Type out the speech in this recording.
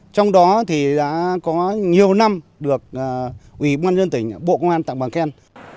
trong đó đã có nhiều năm được ubnd tỉnh bộ công an tạm bằng khen